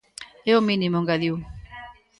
É o mínimo, engadiu.